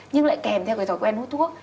nhưng lại kèm theo cái thói quen hút thuốc